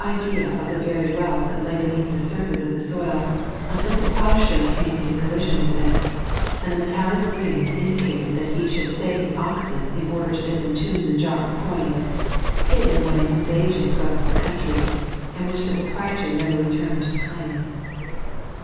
135 idea of Uie buried wealth that lay beneath the surface of the Boil, until the ploughshare came into collision with it, and the metallic ring indicated that he should stay his oxen in order to disentomb the jar of coins, hidden when inva sion swept the country, and which the proprietor never returned to claim.